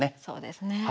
そうですね。